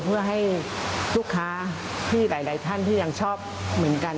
เพื่อให้ลูกค้าที่หลายท่านที่ยังชอบเหมือนกัน